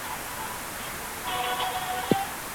تر ماښامه پوري به دا کار خلاص کړی.